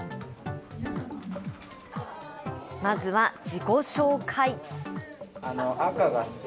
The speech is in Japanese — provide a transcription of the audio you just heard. まずは自己紹介。